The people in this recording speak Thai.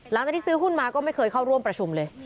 หลังจากที่ซื้อหุ้นมาก็ไม่เคยเข้าร่วมประชุมเลย